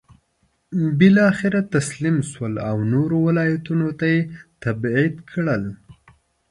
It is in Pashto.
بالاخره تسلیم شول او نورو ولایتونو ته یې تبعید کړل.